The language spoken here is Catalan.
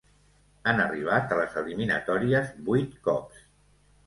Han arribat a les eliminatòries vuit cops.